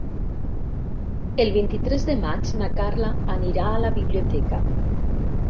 El vint-i-tres de maig na Carla anirà a la biblioteca.